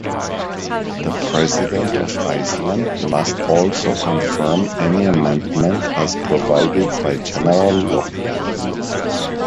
The president of Iceland must also confirm any amendment as provided by general law.